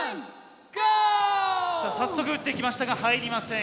早速打ってきましたがはいりません。